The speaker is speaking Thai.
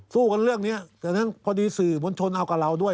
สู้กันเรื่องเนี่ยเดี๋ยวเนี่ยพอดีสื่อบนชนเอากับเราด้วย